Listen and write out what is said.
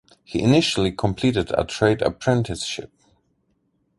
He initially completed a trade apprenticeship.